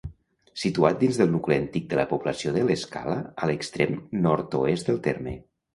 Situat dins del nucli antic de la població de l'Escala, a l'extrem nord-oest del terme.